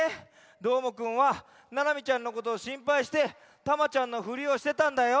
どーもくんはななみちゃんのことをしんぱいしてタマちゃんのふりをしてたんだよ。